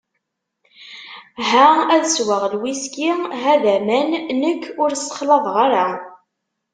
Ha ad sweɣ lwhisky, ha d aman, nekk ur ssexlaḍeɣ ara.